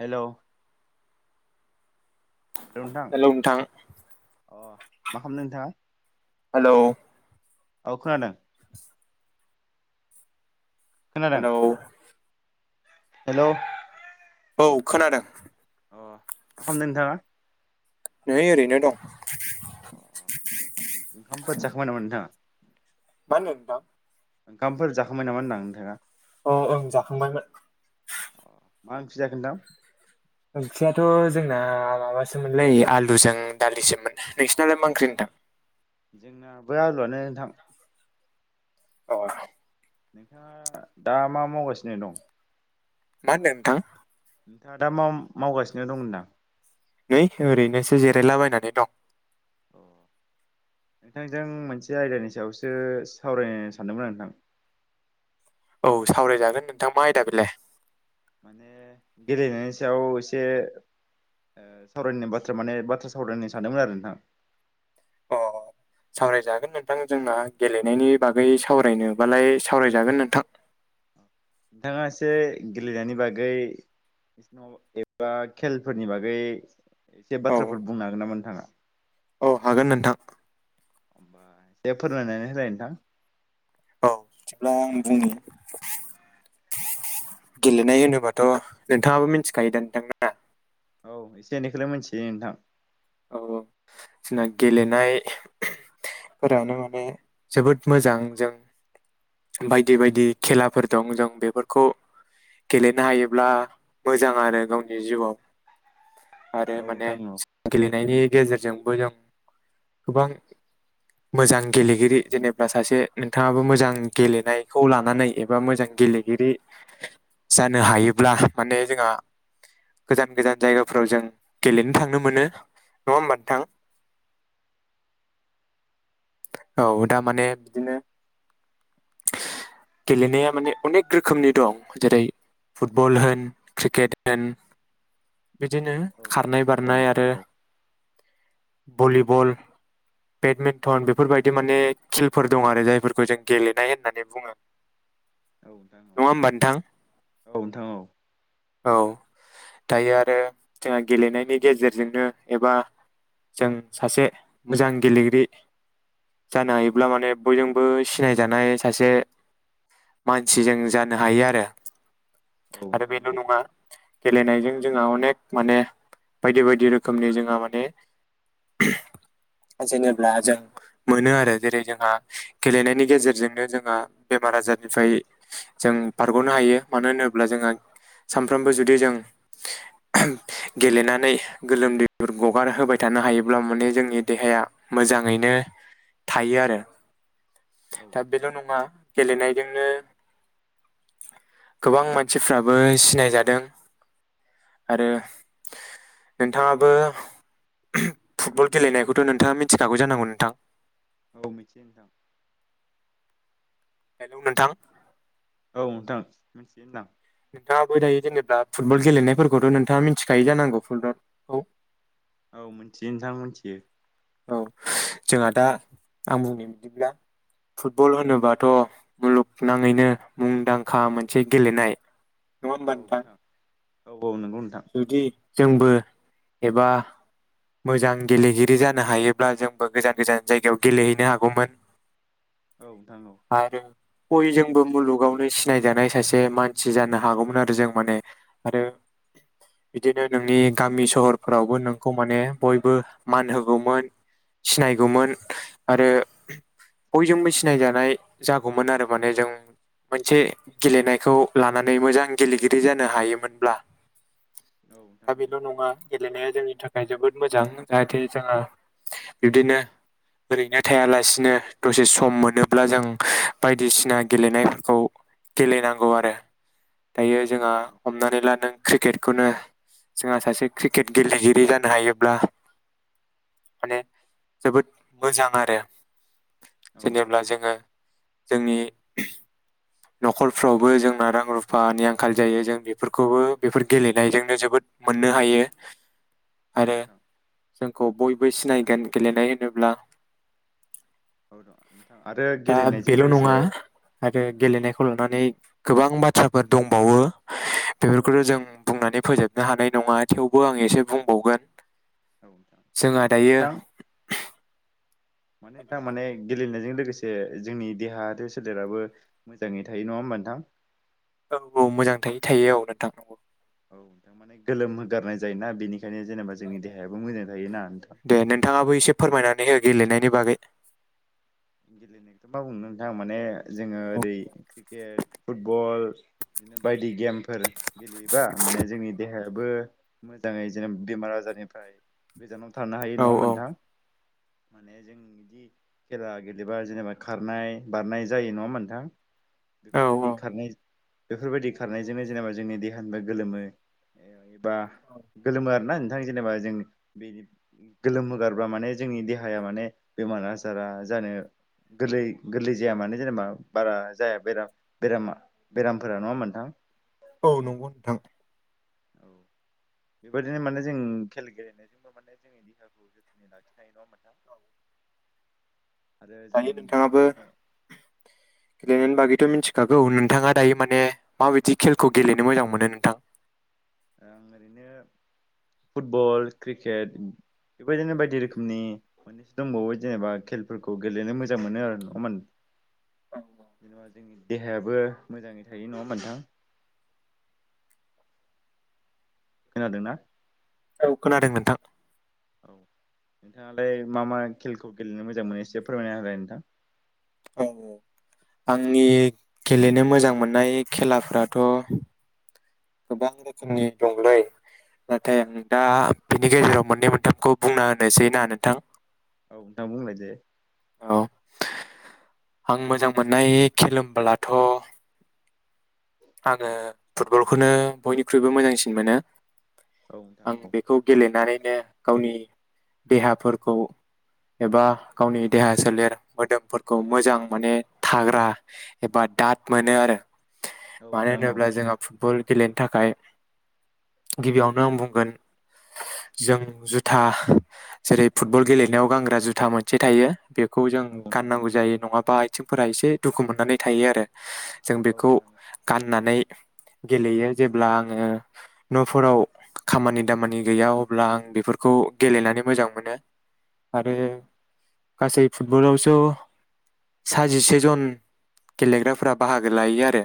हेल' hello नोंथां अ मा खालामदों नोंथाङा? हेलौ औ खोनादों खोनादों हेलौ हेलौ औ खोनादों अ मा खालामदों नोंथाङा? नै ओरैनो दं फोद जाखांबाय नामा नोंथांआ? मा होनदों नोंथां? ओंखामफोर जाखांबाय नामा होनदों नोंथाङा? औ ओं जाखांबायमोन मा ओंख्रि जाखो नोंथां ओंख्रियाथ जोंना माबासोमोनलै आलुजों दालिसोमोन नोंसिनालाय मा ओंख्रि नोंथां जोंना बो आलुआनो नोंथां ओ नोंथाङा दा मा मावगासिनो दं मा होनदों नोंथां नोंथाङा दा मा मावगासिनो दं होनदां नै ओरैनोसो जिरायलाबायनानै दं अ नोंथांजों मोनसे आयदानि सायावसो सावरायनो सानदोंमोन आं नोंथां औ सावरायजागोन नोंथां मा आयदा बेलाय माने गेलेनायनि सायाव एसे ओ सावरायनाय बाथ्रा माने बाथ्रा सावरायनो सानदोंमोन आरो नोंथां अ सावरायजागोन नोंथां जोंना गेलेनायनि बागै सावरायनोबालाय सावरायजागोन नोंथां नोंथाङा एसे गेलेनायनि बागै एबा खेलफोरनि बागै एसे औ बाथ्राफोर बुंनो हागोन नामा नोंथाङा औ हागोन नोंथां होमबा दे फोरमायनानै होलाय नोंथां औ बिदिब्ला आं बुंनि गेलेनाय होनोबाथ' नोंथाङाबो मिथिखायो दा नोंथांआ औ एसे एनैखौलाय मिथियो नोंथां औ औ जोंना गेलेनायफोरानो माने जोबोद मोजां जों बायदि बायदि खेलाफोर दं जों बेफोरखौ गेलेनो हायोब्ला मोजां आरो गावनि जिउआव आरो औ माने नोंथां औ गेलेनायनि गेजेरजोंबो जों गोबां मोजां गेलेगिरि जेनेबा सासे नोंथाङाबो मोजां गेलेनायखौ लानानै एबा मोजां गेलेगिरि जानो हायोब्ला माने जोंहा गोजान गोजान जायगाफोराव जों गेलेनो थांनो मोनो नंङा होमबा थां औ दा माने बिदिनो गेलेनाया माने अनेक रोखोमनि दं जेरै फुटबल होन क्रिकेट होन बिदिनो औ खारनाय औ बारनाय नोंथां आरो औ ओ भलिबल बेडमिन्टन बेफोरबायदि माने खिलफोर दं आरो जायफोरखौ जों गेलेनाय होननानै बुङो औ नोंथां औ नङा होमबा नोंथां औ नोंथां औ औ दायो आरो जोंहा गेलेनायनि गेजेरजोंनो एबा जों सासे मोजां गेलेगिरि जानो हायोब्ला माने बयजोंबो सिनायजानाय सासे मानसि जों जानो हायो आरो औ आरो नोंथां बेल' औ नङा गेलेनायजों जोंहा अनेक माने बायदि बायदि रोखोमनि जोंहा माने [unintelligible] जेनेब्ला जों मोनो आरो जेरै जोंहा गेलेनायनि गेजेरजोंनो जोंहा बेमार आजारनिफ्राय जों बारग'नो हायो मानो होनोब्ला जोंहा सानफ्रोमबो जुदि जों [unintelligible] गेलेनानै गोलोमदैफोर गगार होबाय थानो हायोब्ला माने जोंनि देहाया मोजाङैनो थायो आरो औ दा नोंथां बेल' नङा गेलेनाय बेजोंनो गोबां मानसिफ्राबो सिनायजादों आरो नोंथाङाबो [unintelligible] फुटबल गेलेनायखौथ' नोंथाङा मिथिखागौ जानांगौ नोंथां औ मिथियो नोंथां हेलौ नोंथां औ नोंथां मिथियो होनदां नोंथाङाबो दायो जेनेब्ला फुटबल गेलेनायफोरखौथ' नोंथाङा मिथिखायो जानांगौ फुटबल खौ औ मोनथियो नोंथां मोनथियो औ जोंहा दा आं बुंनाय बायदिब्ला फुटबल होनोबाथ' मुलुगनाङैनो मुंदांखा मोनसे गेलेनाय नङा होमबा नोंथां औ औ नंगौ नोंथां जुदि जोंबो एबा मोजां गेलेगिरि जान नो हायोब्ला जोंबो गोजान गोजान जायगायाव गेलेहैनो हागौमोन औ नोंथां औ आरो बयजों बो मुलुगावनो सिनाय जानाय सासे मानसि जानो हागौमोन आरो जों माने आरो बिदिनो नोंनि गामि सहरफोरावबो नोंखौ माने बयबो मान हो गौमोन सिनायगौमोन आरो [unintelligible] बयजोंबो सिनायजानाय जागौमोन आरो माने जों मोनसे गेलेनायखौ लानानै मोजां गेलेगिरि जानो हायोमोनब्ला औ नोंथां दा औ बेल' नङा गेलेनाया जोंनि थाखाय जोबोद मोजां जाहाथे जोंङो बिब्दिनो ओरैनो थायालासिनो दसे सम मोनोब्ला जों [unintelligible] बायदिसिना गेलेनायफोरखौ गेलेनांगौ आरो दायो औ जोंहा नोंथां औ हमनानै ला नों क्रिकेट बेखौनो जोंहा सासे क्रिकेट गेलेगिरि जानो हायोब्ला माने जोबोद मोजां आरो औ नोंथां जेनेब्ला जोङो जोंनि [unintelligible] न'खरफ्रावबो जोंना रां रुफानि आंखाल जायो जों बेफोरखौबो बेफोर गेलेनायजोंनो जोबोद मोननो हायो औ आरो नोंथां जोंखौ बय बो सिनायगोन गेलेनाय होनोब्ला औ दं नोंथां आरो दा गेलेनायजों बेल' नङा लोगोसे आरो गेलेनायखौ लानानै गोबां बाथ्राफोर दंबावो [unintelligible] बेफोरखौथ' नोंथां जों बुंनानै फोजोब नो हानाय नङा थेवबो आं एसे बुंबावगोन औ नोंथां जोंहा माने दायो नोंथां माने दा माने गेलेनाय जों लोगोसे जोंनि देहा आरो सोलेराबो मोजाङै थायो नङा होमबा नोंथां औ औ मोजां थायो थायो औ नोंथां नंगौ औ नोंथां माने गोलोम होगारनाय जायोना बेनि नोंथां दे नोंथाङाबो एसे फोरमायनानै हो गेलेनायनि बागै गेलेनायखौ मा बुंनो नोंथांं माने जोङो औ ओरै क्रिकेट फुटबल बिदिनो बायदि गेमफोर गेलेयोबा माने जोंनि देहाया बो मोजाङै जेनेब बेमार आजारनिफ्राय गोजानाव थानो हायो नङा औ होमबा नोंथां माने जों बिदि खेला गेल बिदिबा जेनेबा खारनाय बारनाय जायो नङा होनबा नोंथां औ बेफोरबायदि औ खारनाय बेफोरबायदि खारनायजोंनो जेनेबा जोंनि देहानिबो गोलोमो बा गोलोमो आरोना नों थां जेनोबा जों बे गोलोम होगारब्ला माने जोंनि देहाया माने बेमार आजारा जानो गोरलै गोरलै जाया मानो जेनोबा बारा जाया बे बेरामा बेरामफोरा नङा होनबा नोंथां? औ नंगौ नोंथां। औ। बेबायदिनो माने जों खेल गेलेनायजोंबो माने जोंनि देहाखौ जोथोनै लाखिनो हायो नङा होनबा नों औ। आरो जों दायो नोंथाङाबो माने गेले बागैथ' मिनथिखागौ नोंथाङा दायो माने माबायदि खेलखौ गेलेनो मोजां मोनो नोंथां? ओ आं ओरैनो फुटबल क्रिकेट बेबायदिनो बायदि रोखोमनि मोननैसो दंबावो जेनोबा खेलफोरखौ गेलेनो मोजां मोनो आरो नङामोन जेनोबा जोंनि देहायाबो मोजाङै थायो नङा होनबा नोंथां? खोनादोंना? औ खोनादों नोंथां। औ नोंथाङालाय मा मा खेलखौ गेलेनो मोजां मोनो एसे फोरमायना होलाय नोंथां। औ औ आंनि गेलेनो मोजां मोननाय खेलाफ्राथ' गोबां रोखोमनि दंलै नाथाय आं दा बिनि गेजेराव मोननै मोनथामखौ बुंना होनोसै ना नोंथां? औ नोंथाङा बुंलाय दे। औ आं मोजां मोननाय खिलोमब्लाथ' आङो फुटबलखौनो बयनिख्रुइबो मोजांसिन मोनो। औ नोंथां आं औ बेखौ गेलेनानैनो गावनि देहाफोरखौ एबा गावनि देहा सोलेर मोदोमफोरखौ मोजां माने थाग्रा एबा दाद मोनो आरो। औ मानो नोंथां औ होनोब्ला जोंहा फुट बल गेलेनो थाखाय गिबियावनो आं बुंगोन जों जुथा जेरै फुटबल गेलेनायाव गानग्रा जुथा मोनसे थायो। बेखौ जों औ नोंथां गाननांगौ जायो नङा बा आइथिंफोरा एसे दुखु मोननानै थायो आरो। जों औ बेखौ नोंथां नानै गेलेयो जेब्ला आङो न'फोराव खामानि दामानि गैया अब्ला आं बेफोरखौ गेलेनानै मोजां मोनो आरो औ नोंथां गासै फुटबलावसो सा जिसे जन गेलेग्राफोरा बाहागो लायो आरो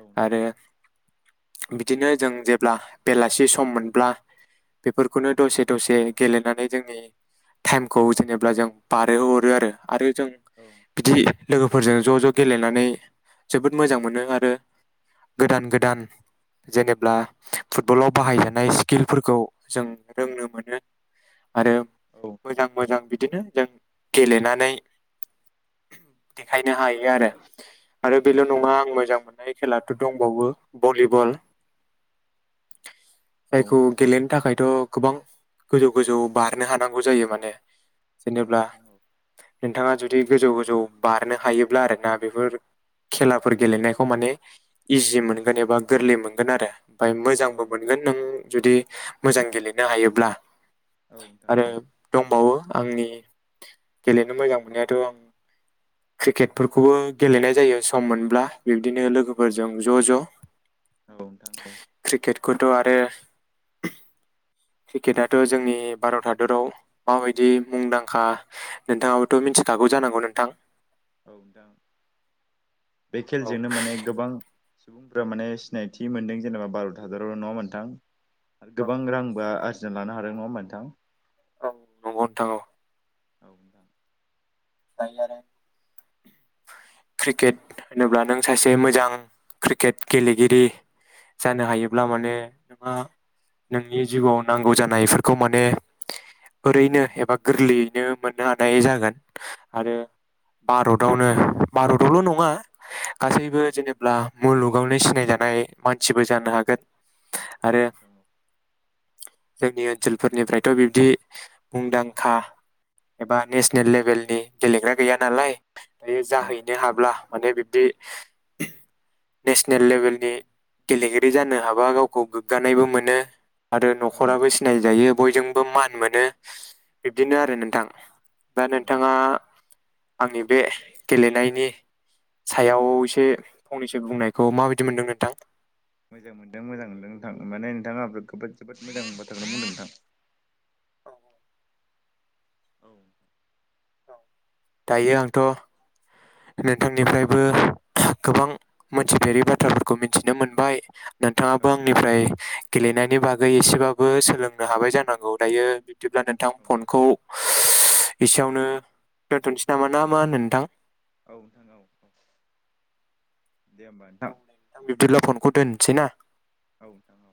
औ नोंथां आरो औ। बिदिनो जों जेब्ला बेलासि सम मोनब्ला बेफोरखौनो दसे दसे गेलेनानै जोंनि टाइमखौ जेनोबा जों बारहोहरो आरो आरो जों औ बिदि लोगोफोरजों ज' ज' गेलेनानै जोबोद मोजां मोनो आ रो गोदान गोदान जेनोब्ला फुटबलाव बाहायजानाय स्किलफोरखौ जों रोंनो मोनो। आरो नोंथां मोजां मोजां बिदिनो जों गेलेनानै देखायनो हायो आरो आरो बेल' औ नङा आं मोजां मोन [unintelligible] खेलाथ' दंबावो भलिबल औ जायखौ नोंथां गेलेनो थाखायथ' गोबां गोजौ गोजौ बारनो हानांगौ जायो माने। जेनेब्ला औ नोंथां औ नोंथाङा जुदि गोजौ गोजौ बारनो हायोब्ला आरो ना बेफोर खेलाफोर गेलेनाय। खौ माने इजि मोनगोन एबा गोरलै मोनगोन आरो। ओमफफ्राय औ मोजांबो मोनगोन नों जुदि मोजां। गेलेनो हायोब्ला आरो दंबावो आंनि गेलेनो मोजां मोननायाथ' आं क्रिकेटफोरखौबो गेलेनाय जायो सम मोनब्ला। बिब्दिनो लोगोफोरजों ज' ज'। औ नोंथां औ। कखौथ' आरो क्रिकेटथा' जोंनि भारत हादराव माबायदि मुंदांखा नोंथाङाबोथ' मिथिखागौ जानांगौ नोंथां। औ दां बे औ खेलजोंनो माने गोबां सुबुंफोरा माने सिनायथि मोनदों जेनेबा भार'त हाजारावल' नङा होनबा नोंथां? आरो औ गोबां रांबो गोजोन लानो हादों नङा होमबा नोंथां? औ नंगौ नोंथां औ। औ दां जायो आरो क्रिकेट होनोब्ला नों सासे मोजां क्रिकेट गेलेगिरि जानो हायोब्ला माने नोंहा नोंनि जिउआव नांगौ जानायफोरखौ माने ओरैनो एबा गोरलैयैनो मोननो हानाय जागोन। आरो भारतावनो भारतावल' नङा गासैबो जेनेबा मुलुगावनो सिनायजानाय मानसिबो जानो हागोन। आरो नोंथां जोंनि ओनसोलफोरनिफ्रायथ' बिब्दि मुंदांखा एबा नेसनेल लेभेलनि। गेलेग्रा गैया नालाय। बियो औ जाहैनो हाब्ला माने बिब्दि नेसनेल लेबेलनि गेलेगिरि जानो हाबा गावखौ गोग्गानायबो मोनो। आरो औ न'खराबो सिनायजायो बयजोंबो मान मोनो बिब्दिनो आरो नोंथां। दा औ नोंथाङा नोंथां आंनि बे गेलेनायनि सायाव एसे फंनैसो बुंनायखौ माबायदि मोनदों नोंथां? मोजां मोनदों मोजां मोनदों नोंथां माने नोंथाङाबो जोबोद मोजां बाथ्राखौनो बुंदों नोंथां। औ औ औ दायो आंथ' नोंथांनिफ्रायबो गोबां मोनथिफेरि बाथ्राफोरखौ मिथिनो मोनबाय। नोंथाङाबो नोंथां आंनिफ्राय गेलेनायनि बागै एसेबाबो सोलोंनो हाबाय जानांगौ दायो। बिदिब्ला नोंथां औ फनखौ एसेयावनो दोनथ'नोसै नामा ना मा होनो नोंथां? औ नोंथां औ औ। दे होमबा नोंथां बिबदिब्ला फनखौ दोन सैना। औ नोंथां औ।